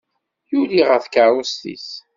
Yuli ɣer tkeṛṛust-is.